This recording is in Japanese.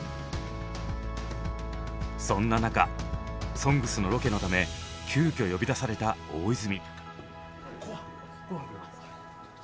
「ＳＯＮＧＳ」のロケのため急遽呼び出された大泉。